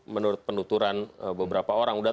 menurut penuturan beberapa orang